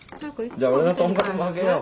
じゃあ俺の豚カツもあげよう。